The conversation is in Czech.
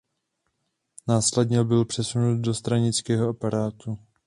Následně byl přesunut do stranického aparátu.